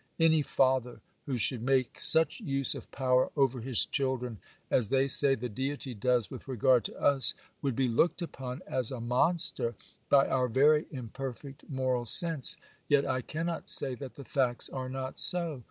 Any father, who should make such use of power over his children as they say the Deity does with regard to us, would be looked upon as a monster by our very imperfect moral sense. Yet I cannot say that the facts are not so.